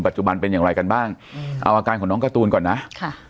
จุบันเป็นอย่างไรกันบ้างอืมเอาอาการของน้องการ์ตูนก่อนนะค่ะ